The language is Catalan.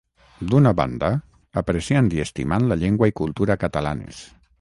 D'una banda, apreciant i estimant la llengua i cultura catalanes.